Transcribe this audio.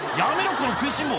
この食いしん坊！」